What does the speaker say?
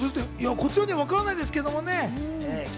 こちらにはわからないですけどね。